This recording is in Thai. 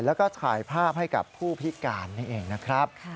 แล้วก็ถ่ายภาพให้กับผู้พิการนั่นเองนะครับ